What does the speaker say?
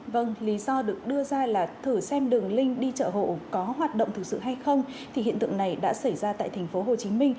vâng lý do được đưa ra là thử xem đường link đi chợ hộ có hoạt động thực sự hay không thì hiện tượng này đã xảy ra tại tp hcm